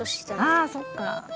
あそっか。